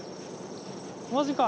マジか。